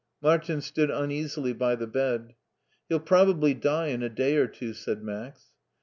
Martin stood uneasily by the bed. *' He'll probably die in a day or two/* said Max.